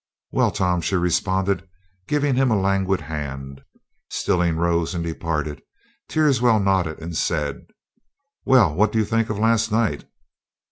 "Well, Tom," she responded, giving him a languid hand. Stillings rose and departed. Teerswell nodded and said: "Well, what do you think of last night?"